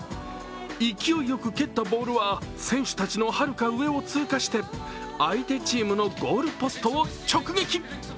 勢いよく蹴ったボールは選手たちのはるか上を通過して、相手チームのゴールポストを直撃。